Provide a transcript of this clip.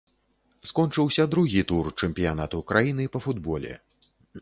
Скончыўся другі тур чэмпіянату краіны па футболе.